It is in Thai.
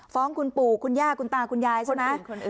ฟ้องคุณปู่คุณย่าคุณตาคุณยายใช่ไหม